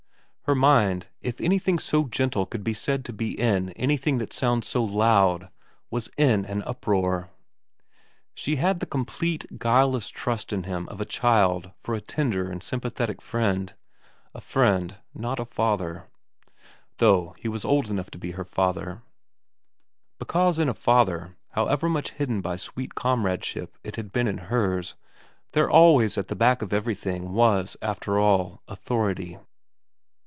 Her mind, if anything so gentle could be said to be in any v VERA 59 thing that sounds so loud, was in an uproar. She had had the complete, guileless trust in him of a child for a tender and sympathetic friend, a friend, not a father, though he was old enough to be her father, because in a father, however much hidden by sweet comradeship as it had been in hers, there always at the back of everything was, after all, authority.